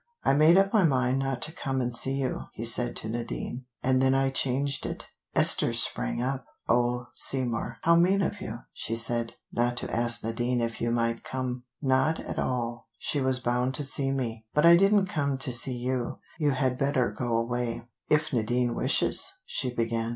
"I made up my mind not to come and see you," he said to Nadine, "and then I changed it." Esther sprang up. "Oh, Seymour, how mean of you," she said, "not to ask Nadine if you might come." "Not at all. She was bound to see me. But I didn't come to see you. You had better go away." "If Nadine wishes " she began.